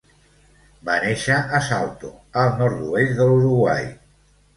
Va néixer a Salto, al nord-oest de l'Uruguai.